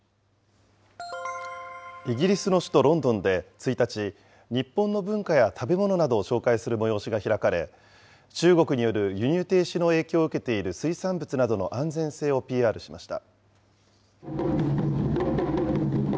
イギリスの首都ロンドンで１日、日本の文化や食べ物などを紹介する催しが開かれ、中国による輸入停止の影響を受けている水産物などの安全性をＰＲしました。